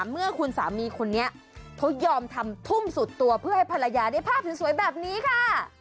เมื่อคุณสามีคนนี้เขายอมทำทุ่มสุดตัวเพื่อให้ภรรยาได้ภาพสวยแบบนี้ค่ะ